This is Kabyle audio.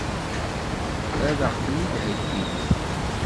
Ad ɣ-ten-id-heggimt?